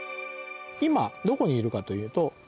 今どこにいるかというと。